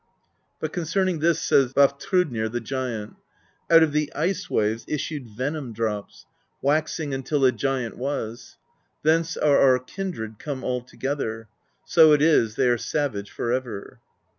But concerning this says Vafthrudnir the giant: Out of the Ice waves issued venom drops, Waxing until a giant was; Thence are our kindred come all together, — So it is they are savage forever."